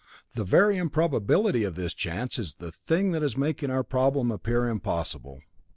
The very improbability of this chance is the thing that is making our problem appear impossible.